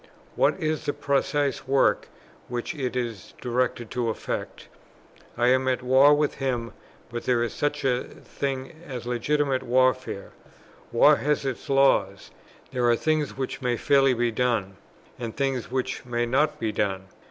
What is the precise work which it is directed to effect? I am at war with him; but there is such a thing as legitimate warfare: war has its laws; there are things which may fairly be done, and things which may not be done.